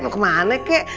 mau kemana kek